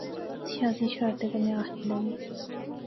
شازیہ شرارتی کنے آخنے لاغی